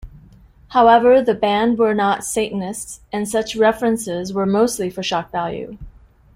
However, the band were not Satanists, and such references were mostly for shock value.